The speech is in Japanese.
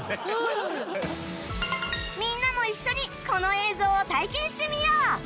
みんなも一緒にこの映像を体験してみよう！